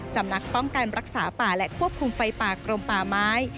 สำนักป้องกันรักษาป่าและควบคุมไฟป่ากรมป่าไม้